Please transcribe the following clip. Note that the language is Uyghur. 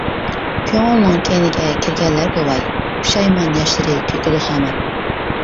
كۆڭۈلنىڭ كەينىگە كىرگەنلەرگە ۋاي، پۇشايمان ياشلىرى تۆكىدۇ ھامان.